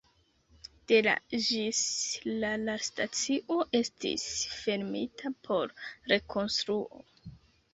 De la ĝis la la stacio estis fermita por rekonstruo.